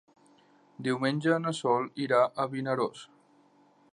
Diumenge na Sol irà a Vinaròs.